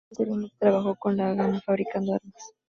Posteriormente trabajó con la Haganá fabricando armas.